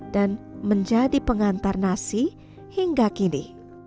dan menjadi pengantar nasi hingga kini